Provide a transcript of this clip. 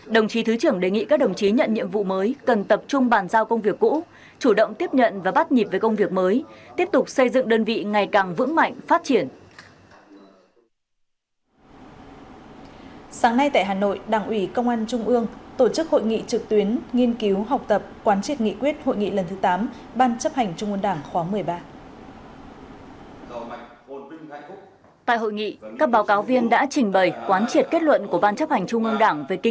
đồng chí thứ trưởng đề nghị các đồng chí nhận nhiệm vụ mới cần tập trung bàn giao công việc cũ chủ động tiếp nhận và bắt nhịp với công việc mới